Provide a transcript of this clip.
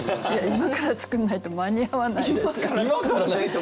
今から作らないと間に合わないんですか！